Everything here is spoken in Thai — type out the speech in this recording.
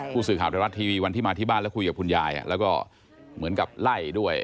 ผู้สื่อข่าวไทยรัฐทีวีวันที่มาที่บ้านแล้วคุยกับคุณยายแล้วก็เหมือนกับไล่ด้วย